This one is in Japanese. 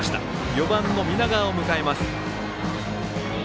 ４番、南川を迎えます。